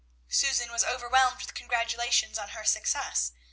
Susan was overwhelmed with congratulations on her success.